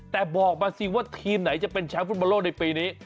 แต่บอกมาสิว่าทีมไหนจะเป็นแชมป์ฟุตบอลโลกในปีนี้